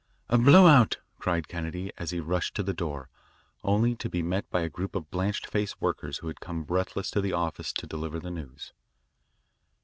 A blow out," cried Kennedy, as he rushed to the door, only to be met by a group of blanched faced workers who had come breathless to the office to deliver the news.